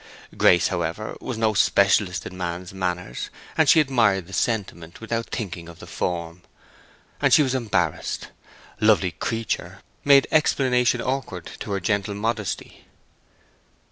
Grace, however, was no specialist in men's manners, and she admired the sentiment without thinking of the form. And she was embarrassed: "lovely creature" made explanation awkward to her gentle modesty.